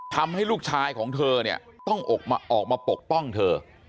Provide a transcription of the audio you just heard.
ทำให้ลูกชายของเธอเนี่ยต้องออกมาปกป้องเธอ